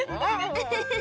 ウフフフ。